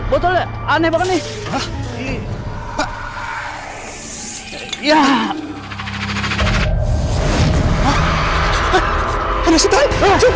data proses mukunya already bit so chill